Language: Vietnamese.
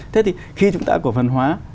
thế thì khi chúng ta cổ phần hóa